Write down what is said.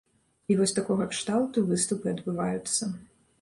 І вось такога кшталту выступы адбываюцца.